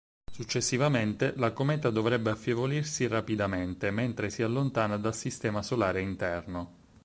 Successivamente la cometa dovrebbe affievolirsi rapidamente, mentre si allontana dal Sistema solare interno.